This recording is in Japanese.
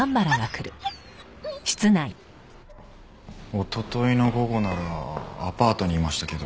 おとといの午後ならアパートにいましたけど。